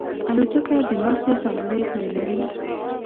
الوتکه د ناستې ځانګړی ځای لري.